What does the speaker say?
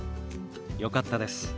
よかったです。